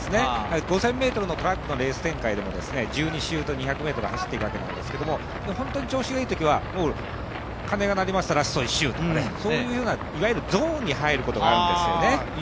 ５０００ｍのトラックのレース展開でも１２周と２００ｍ走って行くわけなんですけれども、本当に調子がいいときは、鐘が鳴りましたら、ラスト１周とかそういうようないわゆるゾーンに入ることがあるんですよね。